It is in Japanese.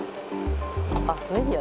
あっ、メディア？